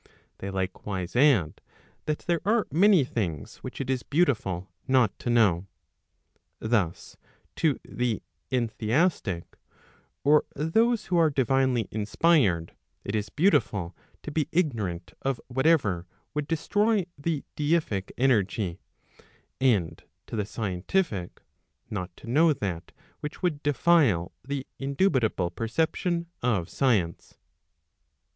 They likewise add, that there are many things which it is beautiful not to know. Thus to the entheastic, (or those who are divinely inspired) it is beautiful to be ignorant of whatever would destroy the deific energy; and to the scientific, not to know that which would defile the indubitable perception of science.